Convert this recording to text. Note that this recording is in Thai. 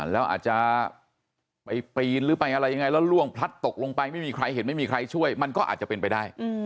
แล้วอาจจะไปปีนหรือไปอะไรยังไงแล้วล่วงพลัดตกลงไปไม่มีใครเห็นไม่มีใครช่วยมันก็อาจจะเป็นไปได้